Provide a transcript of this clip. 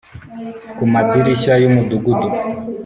ku madirishya yumudugudu